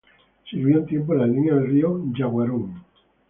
Sirvió un tiempo en la línea del Río Yaguarón.